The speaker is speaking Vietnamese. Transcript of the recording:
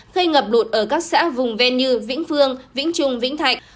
gây ngập lụt ở các xã vùng ven như vĩnh phương vĩnh trung vĩnh thạnh